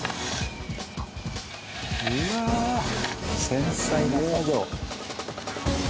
うわ繊細な作業。